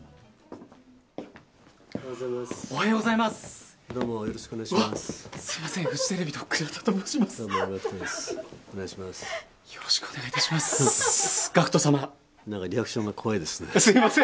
おはようございます。